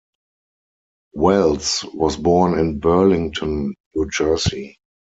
Wells was born in Burlington, New Jersey.